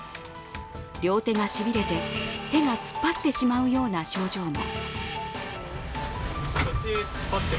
両手がしびれて、手が突っ張ってしまうような症状も。